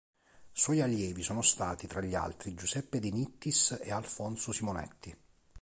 Suoi allievi sono stati, tra gli altri, Giuseppe De Nittis e Alfonso Simonetti.